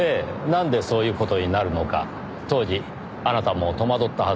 なんでそういう事になるのか当時あなたも戸惑ったはずですよ。